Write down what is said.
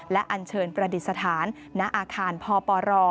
และอันเชิญประดิษฐานณอาคารพปร